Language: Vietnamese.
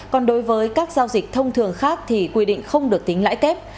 còn đối với các giao dịch thông thường khác thì quy định không được tính lãi kép